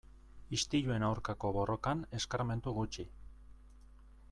Istiluen aurkako borrokan eskarmentu gutxi.